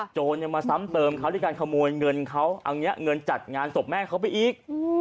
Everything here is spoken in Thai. มาซ้ำเติมเขาด้วยการขโมยเงินเขาเอาอย่างนี้เงินจัดงานศพแม่เขาไปอีก